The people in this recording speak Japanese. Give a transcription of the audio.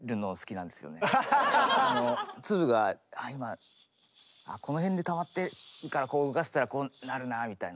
粒が今この辺でたまってるからこう動かしたらこうなるなみたいな。